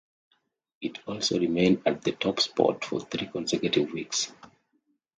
It also remained at the top spot for three consecutive weeks.